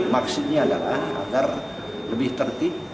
maksudnya adalah agar lebih tertib